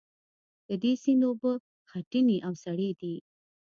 د دې سیند اوبه خټینې او سرې دي.